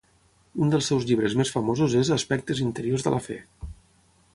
Un dels seus llibres més famosos és "Aspectes interiors de la fe".